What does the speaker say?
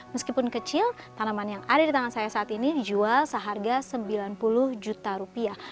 meskipun kecil tanaman yang ada di tangan saya saat ini dijual seharga sembilan puluh juta rupiah